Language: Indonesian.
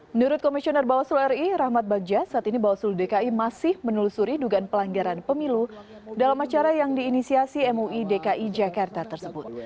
menurut komisioner bawaslu ri rahmat bagja saat ini bawaslu dki masih menelusuri dugaan pelanggaran pemilu dalam acara yang diinisiasi mui dki jakarta tersebut